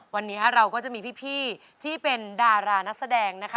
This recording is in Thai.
วันนี้เราก็จะมีพี่ที่เป็นดารานักแสดงนะคะ